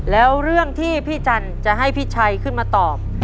แล้วเรื่องที่พี่จันทร์จะให้พี่ชัยขึ้นมาตอบ